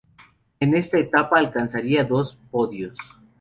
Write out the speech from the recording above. En esta etapa alcanzaría dos podios.